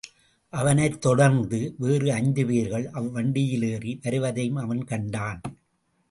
அவனைத் தொடர்ந்து வேறு ஐந்து பேர்கள் அவ்வண்டியிலேறி வருவதையும் அவன் கண்டான்.